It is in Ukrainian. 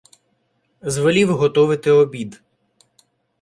Звелів готовити обід.